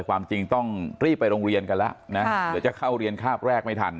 ความจริงต้องรีบไปโรงเรียนกันแล้วนะเดี๋ยวจะเข้าเรียนคาบแรกไม่ทัน